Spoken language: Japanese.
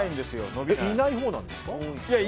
いないほうなんですか。